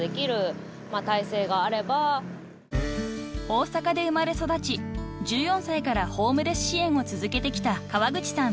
［大阪で生まれ育ち１４歳からホームレス支援を続けてきた川口さん］